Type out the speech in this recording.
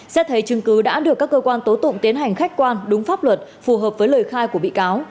xét thấy chứng cứ đã được các cơ quan tố tụng tiến hành khách quan đúng pháp luật phù hợp với lời khai của bị cáo